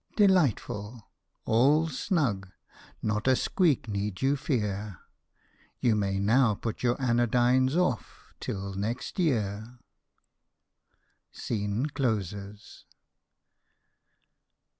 DeHghtful !— all's snug — not a squeak need you fear, — You may now put your anodynes off till next year. \^Scene closes.